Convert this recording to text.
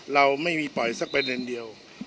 เราไม่มีปล่อยสักประเด็นเดียว